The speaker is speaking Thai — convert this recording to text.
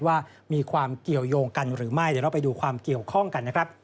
ว่ามีความเกี่ยวยงกันหรือไม่เดี๋ยวเราไปดูความเกี่ยวข้องกันนะครับ